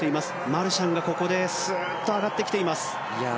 マルシャンがここですっと上がってきています。